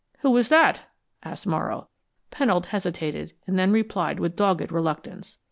"Who was that?" asked Morrow. Pennold hesitated and then replied with dogged reluctance.